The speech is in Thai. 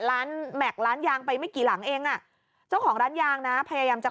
แม็กซ์ร้านยางไปไม่กี่หลังเองอ่ะเจ้าของร้านยางนะพยายามจะ